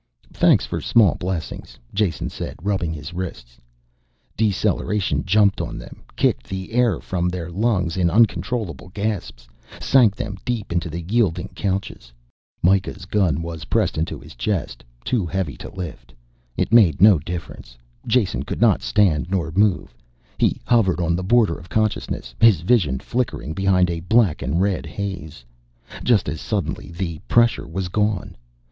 "Thanks for small blessings," Jason said, rubbing his wrists. Deceleration jumped on them, kicked the air from their lungs in uncontrollable gasps, sank them deep into the yielding couches. Mikah's gun was pressed into his chest, too heavy to lift. It made no difference, Jason could not stand nor move. He hovered on the border of consciousness, his vision flickering behind a black and red haze. Just as suddenly the pressure was gone.